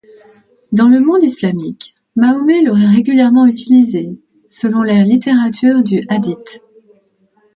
Dans le monde islamique, Mahomet l'aurait régulièrement utilisé, selon la littérature du Hadîth.